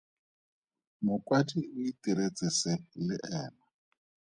Mokwadi o itiretse se le ena.